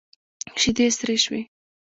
شيدې سرې شوې.